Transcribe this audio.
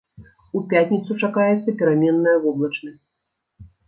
У пятніцу чакаецца пераменная воблачнасць.